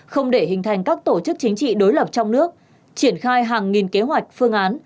không để hình thành các tổ chức chính trị đối lập trong nước triển khai hàng nghìn kế hoạch phương án